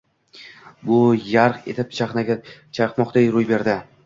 — bu yarq etib chaqnagan chaqmoqday ro‘y berdi